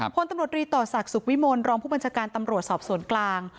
พลตำรวจรีต่อศักดิ์สุขวิมลรองผู้บัญชาการตำรวจสอบสวนกลาง